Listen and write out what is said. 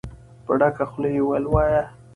په ډکه خوله يې وويل: وايه!